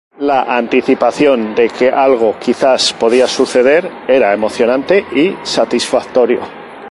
La anticipación de que algo quizás podía suceder era emocionante y satisfactorio.